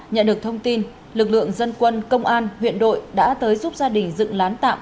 nhận được thông tin lực lượng dân quân công an huyện đội đã tới giúp gia đình dựng lán tạm